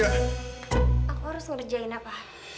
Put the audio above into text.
aku harus ngerjain apa